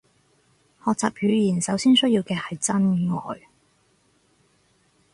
學習語言首先需要嘅係真愛